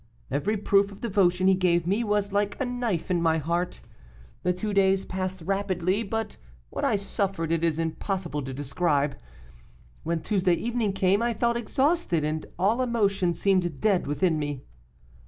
Every proof of devotion he gave me was like a knife in my heart. The two days passed rapidly, but what I suffered it is impossible to describe. When Tuesday evening came, I felt exhausted, and all emotion seemed dead within me.